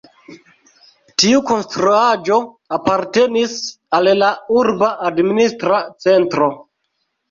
Tiu konstruaĵo apartenis al la urba administra centro.